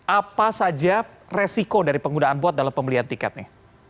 apa saja resiko dari penggunaan bot dalam pembelian tiketnya